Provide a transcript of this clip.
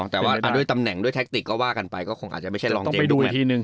แต่ว่าด้วยตำแหน่งด้วยแท็กติกก็ว่ากันไปก็คงอาจจะไม่ใช่รองเด็กด้วย